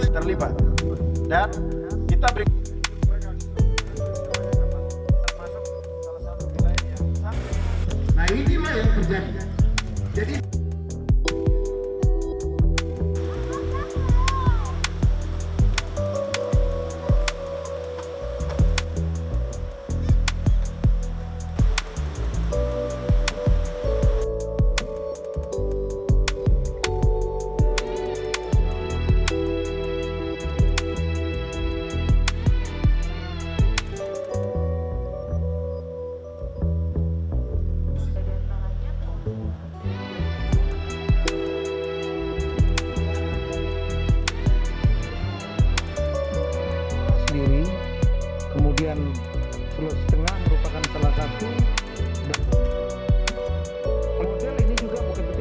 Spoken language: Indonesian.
terlibat dan kita ber